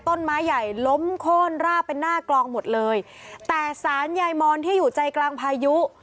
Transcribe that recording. ต้นไม้ใหญ่ล้มโค้นราบเป็นหน้ากลองหมดเลยแต่สารยายมอนที่อยู่ใจกลางพายุ